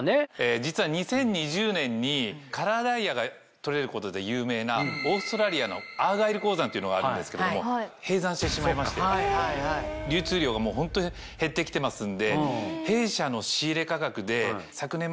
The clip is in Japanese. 実は２０２０年にカラーダイヤが取れることで有名なオーストラリアのアーガイル鉱山っていうのがあるんですけども閉山してしまいまして流通量がもうホント減って来てますんで。